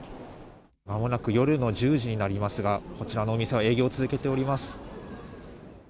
まもなく夜の１０時になりますが、こちらのお店は営業を続けております。